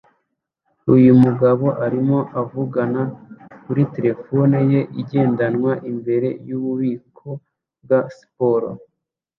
Uyu mugabo arimo avugana kuri terefone ye igendanwa imbere yububiko bwa siporo